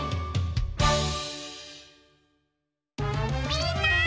みんな！